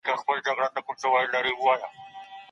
ټولنه بې مسلک کار ته اړتیا نه لري.